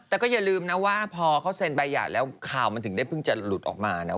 แต่ก็อย่าลืมนะว่าพอเขาเซ็นใบหย่าแล้วข่าวมันถึงได้เพิ่งจะหลุดออกมานะ